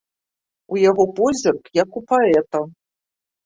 У яго позірк, як у паэта.